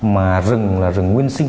mà rừng là rừng nguyên xinh